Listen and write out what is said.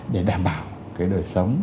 để đảm bảo cái đời sống